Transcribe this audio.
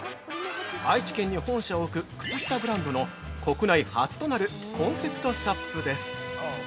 愛知県に本社を置く靴下ブランドの、国内初となるコンセプトショップです。